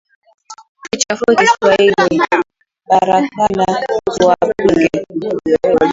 Sichafue kiswahili, barakala tuwapinge,